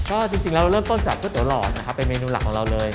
ก็จริงแล้วเริ่มต้นจากก๋วยเตี๋หลอดนะครับเป็นเมนูหลักของเราเลย